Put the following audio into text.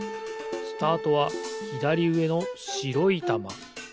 スタートはひだりうえのしろいたま。